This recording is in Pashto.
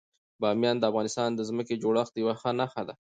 بامیان د افغانستان د ځمکې د جوړښت یوه ښه نښه ده.